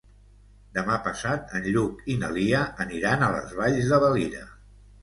Demà passat en Lluc i na Lia aniran a les Valls de Valira.